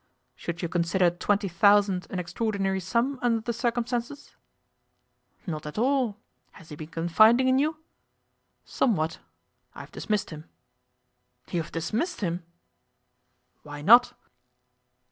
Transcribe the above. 'Should you consider twenty thousand an extraordinary sum under the circumstances?' 'Not at all. Has he been confiding in you?' 'Somewhat. I have dismissed him.' 'You have dismissed him?' 'Why not?